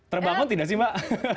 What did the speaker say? terbangun tidak sih mbak